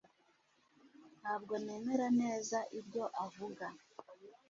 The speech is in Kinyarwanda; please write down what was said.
ntabwo nemera neza ibyo avuga